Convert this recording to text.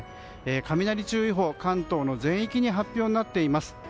雷注意報が関東の全域に発表になっています。